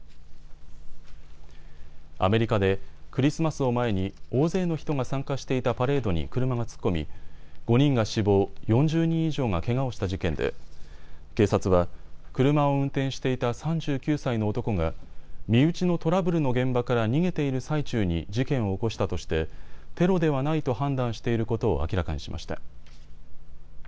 アメリカでクリスマスを前に大勢の人が参加していたパレードに車が突っ込み５人が死亡、４０人以上がけがをした事件で警察は車を運転していた３９歳の男が身内のトラブルの現場から逃げている最中に事件を起こしたとしてテロではないと判断していることを明らかにしました。